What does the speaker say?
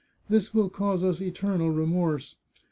This will cause us eternal remorse.